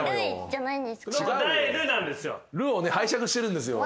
「ル」をね拝借してるんですよ。